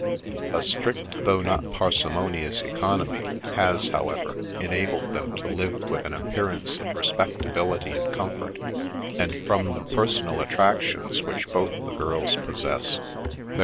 A strict though not parsimonious economy has, however, enabled then* to live with an appearance of respectability and comfort ; and from the personal attractions which both the girls possess, their THE LATE HENKY HARRIS, D.D.